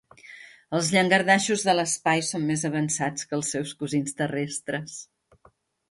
Els llangardaixos de l'espai són més avançats que els seus cosins terrestres.